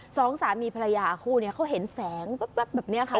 สองสามีภรรยาคู่นี้เขาเห็นแสงแป๊บแบบนี้ค่ะ